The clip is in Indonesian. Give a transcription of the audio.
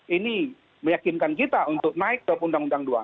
ini meyakinkan kita untuk naik top undang undang dua puluh enam